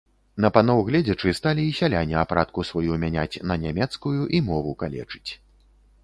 На паноў гледзячы, сталі і сяляне апратку сваю мяняць на нямецкую і мову калечыць.